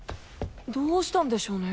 どうしたんでしょうね？